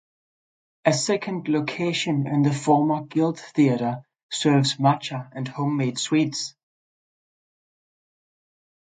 A second location in the former Guild Theatre serves matcha and homemade sweets.